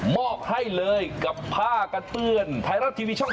อบให้เลยกับผ้ากันเปื้อนไทยรัฐทีวีช่อง๓